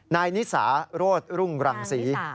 นายนิสาโรธรุ่งรังศรี